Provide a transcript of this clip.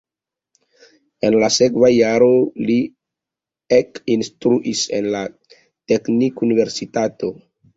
En la sekva jaro li ekinstruis en la Teknikuniversitato.